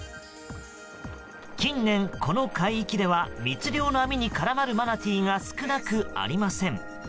近年、この海域では密漁の網に絡まるマナティーが少なくありません。